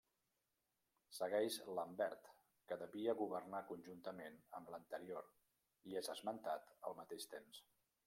Segueix Lambert, que devia governar conjuntament amb l'anterior i és esmentat al mateix temps.